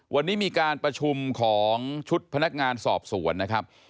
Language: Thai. วันนี้มีการประชุมของชุดพนักงานสอบสวนนะครับ